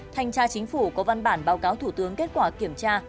thanh tra chính phủ có văn bản báo cáo thủ tướng kết quả kiểm tra